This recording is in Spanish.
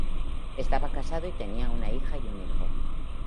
Estaba casado y tenía una hija y un hijo.